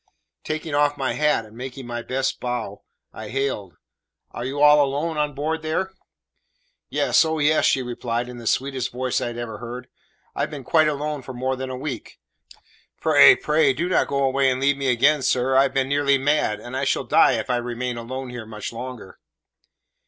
Taking off my hat, and making my best bow, I hailed: "Are you all alone on board there?" "Yes, oh yes," she replied, in the sweetest voice I had ever heard; "I have been quite alone for more than a week. Pray, pray do not go away and leave me again, sir. I have been nearly mad, and I shall die if I remain alone here much longer."